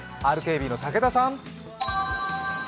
ＲＫＢの武田さん。